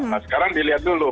nah sekarang dilihat dulu